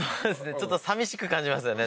ちょっとさみしく感じますよね